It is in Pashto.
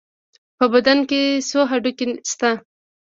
په بدن کې څو هډوکي شته؟